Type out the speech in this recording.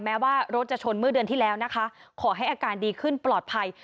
แม้ว่ารถจะชนเมื่อเดือนที่แล้วนะคะขอให้อาการดีขึ้นปลอดภัย